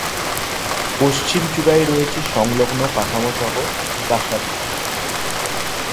পশ্চিম চূড়ায় রয়েছে সংলগ্ন কাঠামোসহ প্রাসাদটি।